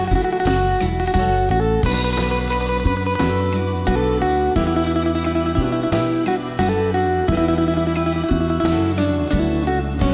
เพลง